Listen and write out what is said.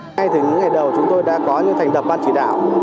ngay từ những ngày đầu chúng tôi đã có những thành đập ban chỉ đạo